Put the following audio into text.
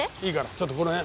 ちょっとこのへん。